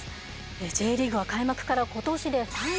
Ｊリーグは開幕から今年で３０周年。